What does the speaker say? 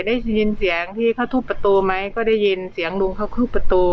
ได้ยินเสียงที่เขาทุบประตูไหมก็ได้ยินเสียงลุงเขาขึ้นประตู